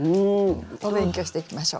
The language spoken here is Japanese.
お勉強していきましょう。